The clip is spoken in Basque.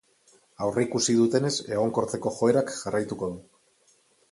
Aurreikusi dutenez, egonkortzeko joerak jarraituko du.